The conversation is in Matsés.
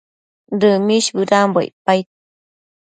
Dëmish bëdambo icpaid